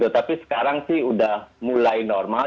tapi sekarang sih sudah mulai normal